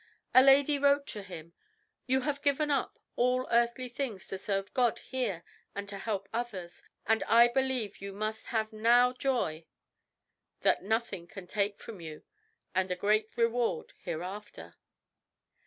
A lady wrote to him, "You have given up all earthly things to serve God here and to help others, and I believe you must have NOW joy that nothing can take from you and a great reward hereafter."